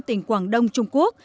tỉnh quảng đông trung quốc